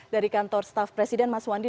dari kantor staff presiden mas wandi